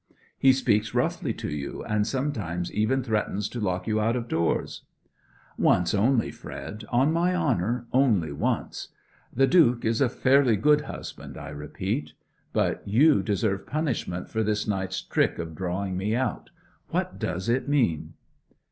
'He speaks roughly to you, and sometimes even threatens to lock you out of doors.' 'Only once, Fred! On my honour, only once. The Duke is a fairly good husband, I repeat. But you deserve punishment for this night's trick of drawing me out. What does it mean?'